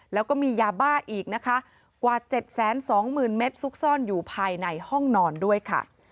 แล้วก็มียาบ้าอีกนะคะกว่า๗๒๐๐๐เมตรซุกซ่อนอยู่ภายในห้องนอนด้วยค่ะ